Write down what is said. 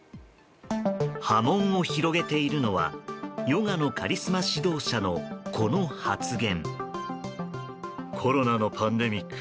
波紋を広げているのはヨガのカリスマ指導者のこの発言。